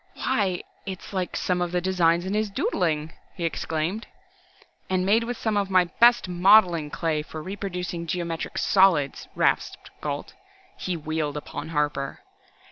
"Why its like some of the designs in his doodling," he exclaimed. "And made with some of my best modeling clay for reproducing geometric solids!" rasped Gault. He wheeled upon Harper.